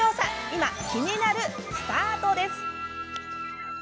今、気になるスタートです。